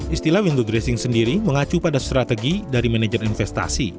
istilah window dressing sendiri mengacu pada strategi dari manajer investasi